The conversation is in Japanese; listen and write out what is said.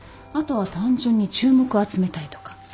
あとは単純に注目を集めたいとか。